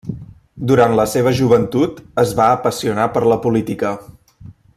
Durant la seva joventut, es va apassionar per la política.